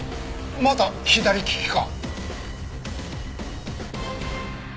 また左利きか？